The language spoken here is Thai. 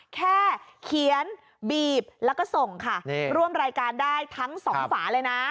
แค่เขียนบีบแล้วก็ส่งค่ะร่วมรายการได้ทั้งสองฝาเลยนะ